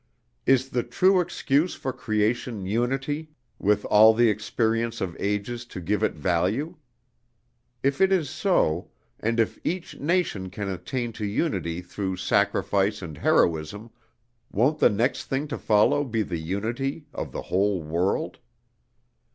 Is the true excuse for creation unity, with all the experience of ages to give it value? If it is so, and if each nation can attain to unity through sacrifice and heroism, won't the next thing to follow be the unity of the whole world?